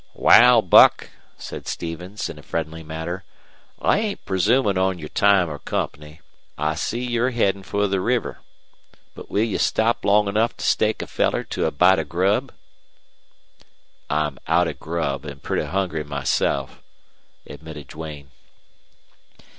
"Wal, Buck," said Stevens, in a friendly manner, "I ain't presumin' on your time or company. I see you're headin' fer the river. But will you stop long enough to stake a feller to a bite of grub?" "I'm out of grub, and pretty hungry myself," admitted Duane.